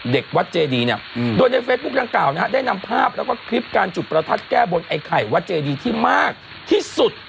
เด็กวัดเจดีเนี่ยโดยในเฟซบุ๊คดังกล่าวนะฮะได้นำภาพแล้วก็คลิปการจุดประทัดแก้บนไอ้ไข่วัดเจดีที่มากที่สุด